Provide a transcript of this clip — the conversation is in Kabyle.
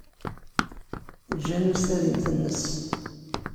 Eǧǧ anu s tadimt-nnes.